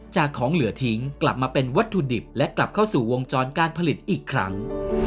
จากของเหลือทิ้งกลับมาเป็นวัตถุดิบและกลับเข้าสู่วงจรการผลิตอีกครั้ง